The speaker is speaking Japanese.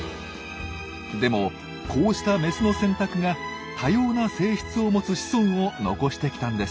でもこうしたメスの選択が多様な性質を持つ子孫を残してきたんです。